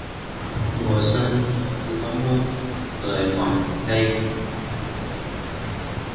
Mùa xuân nở giữa môi người ngọt ngây